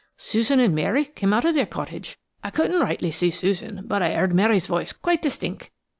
Susan and Mary come out of their cottage; I couldn't rightly see Susan, but I 'eard Mary's voice quite distinck.